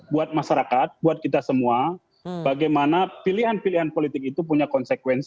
buat masyarakat buat kita semua bagaimana pilihan pilihan politik itu punya konsekuensi